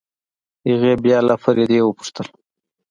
هغې بيا له فريدې وپوښتل.